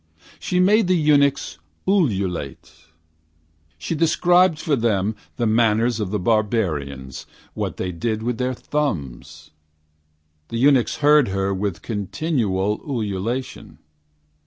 She made the eunuchs ululate . She described for them The manners of the barbarians What they did with their thumbs . The eunuchs heard her With continual ululation.